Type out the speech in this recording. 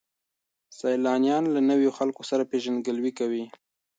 سیلانیان له نویو خلکو سره پیژندګلوي کوي.